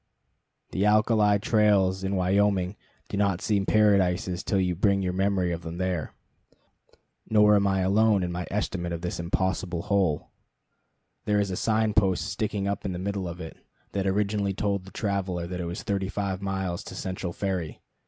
The alkali trails in Wyoming do not seem paradises till you bring your memory of them here. Nor am I alone in my estimate of this impossible hole. There is a sign post sticking up in the middle of it, that originally told the traveler it was thirty five miles to Central Ferry.